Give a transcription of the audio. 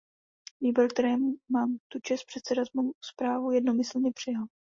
Výbor, kterému mám tu čest předsedat, mou zprávu jednomyslně přijal.